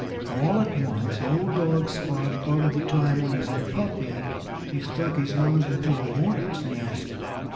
All at once old dog Spot thought of the time when, as a puppy, he stuck his nose into a hornet's nest.